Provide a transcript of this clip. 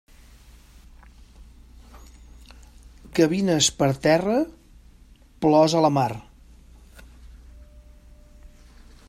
Gavines per terra, plors a la mar.